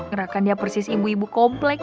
gerakan dia persis ibu ibu komplek